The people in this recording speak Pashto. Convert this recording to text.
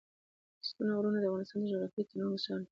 ستوني غرونه د افغانستان د جغرافیوي تنوع مثال دی.